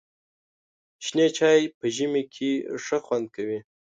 شنې چای په ژمي کې ښه خوند کوي.